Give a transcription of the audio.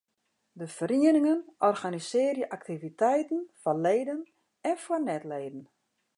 De ferieningen organisearje aktiviteiten foar leden en foar net-leden.